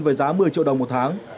với giá một mươi triệu đồng một tháng